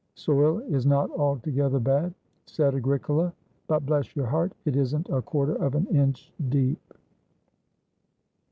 "Soil is not altogether bad," said Agricola, "but, bless your heart, it isn't a quarter of an inch deep."